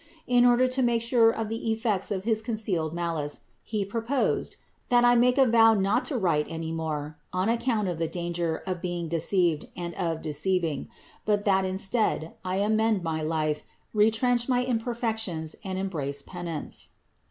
In order to make sure of the effects of his concealed malice he proposed, that I make a vow not to write any more on account of the danger of being deceived and of deceiving; but that instead, I amend my life, retrench my imperfections and embrace penance.